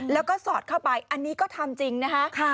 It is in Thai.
แล้วก็สอดเข้าไปอันนี้ก็ทำจริงนะคะ